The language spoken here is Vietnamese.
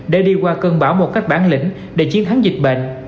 để đi qua cơn bão một cách bản lĩnh để chiến thắng dịch bệnh